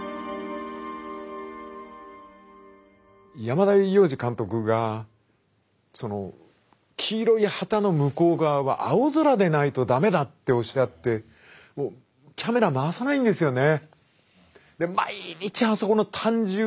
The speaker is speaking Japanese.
山田洋次監督が黄色い旗の向こう側は青空でないと駄目だっておっしゃってもうキャメラ回さないんですよね。